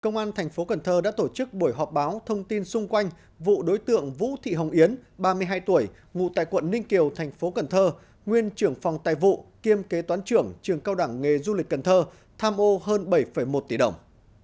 công an thành phố cần thơ đã tổ chức buổi họp báo thông tin xung quanh vụ đối tượng vũ thị hồng yến ba mươi hai tuổi ngụ tại quận ninh kiều thành phố cần thơ nguyên trưởng phòng tài vụ kiêm kế toán trưởng trường cao đẳng nghề du lịch cần thơ tham ô hơn bảy một tỷ đồng